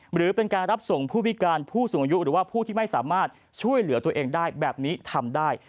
หรือเป็นการรับส่งผู้พิการผู้สูงอายุหรือว่าผู้ที่ไม่สามารถช่วยเหลือตัวเองได้แบบนี้ทำได้